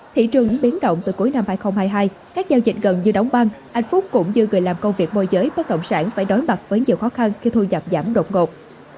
thị trường biến động từ cuối năm hai nghìn hai mươi hai các giao dịch gần như đóng băng anh phúc cũng như người làm công việc môi giới bất động sản phải đối mặt với nhiều khó khăn khi thu nhập giảm đột ngột